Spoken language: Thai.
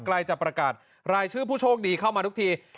ใกล้จะประกาศรายชื่อผู้โชคดีเข้ามาทุกที